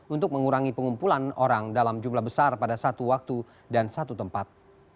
untuk mengurangi pengumpulan orang dalam jumlah besar pada satu waktu dan satu tempat